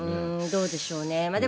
どうでしょうね。